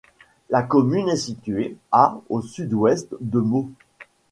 La commune est située à au sud-ouest de Meaux.